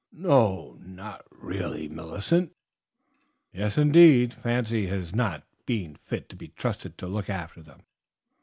"No, really, Millicent!" "Yes, indeed. Fancy his not being fit to be trusted to look after them!